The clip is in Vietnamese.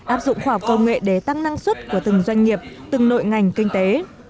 áp dụng khoa học công nghệ để tăng năng suất của từng doanh nghiệp từng nội ngành kinh tế